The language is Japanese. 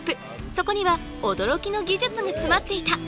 そこには驚きの技術が詰まっていた。